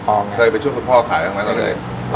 เช่นอาชีพพายเรือขายก๋วยเตี๊ยว